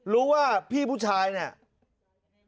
รู้ว่าพี่ผู้ชายเนี่ย